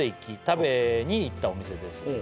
「食べにいったお店です」